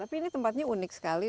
tapi ini tempatnya unik sekali